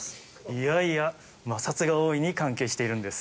いやいや摩擦が大いに関係しているんです。